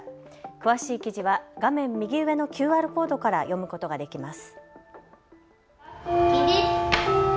詳しい記事は画面右上のＱＲコードから読むことができます。